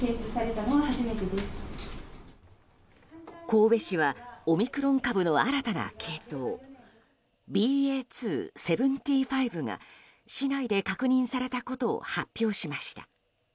神戸市はオミクロン株の新たな系統ＢＡ．２．７５が市内で確認されたことを発表しました。